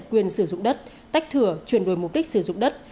quyền sử dụng đất tách thửa chuyển đổi mục đích sử dụng đất